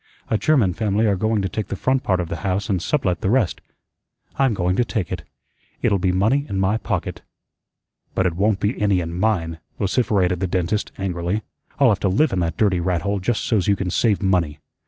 A German family are going to take the front part of the house and sublet the rest. I'm going to take it. It'll be money in my pocket." "But it won't be any in mine," vociferated the dentist, angrily. "I'll have to live in that dirty rat hole just so's you can save money.